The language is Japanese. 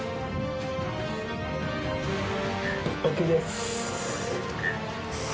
ＯＫです。